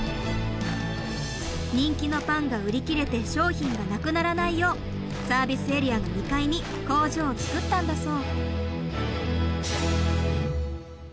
人気のパンが売り切れて商品がなくならないようサービスエリアの２階に工場を作ったんだそう。